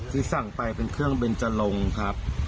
ที่สั่งไปเป็นเครื่องเบนจรงครับ